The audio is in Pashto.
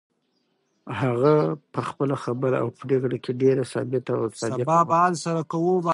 هغه په خپله خبره او پرېکړه کې ډېره ثابته او صادقه وه.